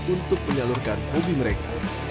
untuk menyalurkan hobi mereka